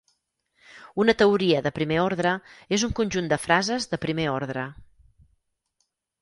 Una teoria de primer ordre és un conjunt de frases de primer ordre.